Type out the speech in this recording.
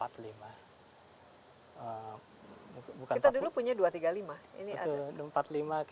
kita dulu punya dua ratus tiga puluh lima